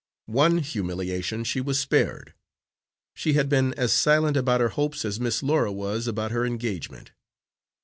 One humiliation she was spared. She had been as silent about her hopes as Miss Laura was about her engagement.